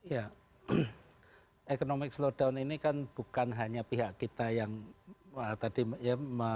ya economic slowdown ini kan bukan hanya pihak kita yang mengurangi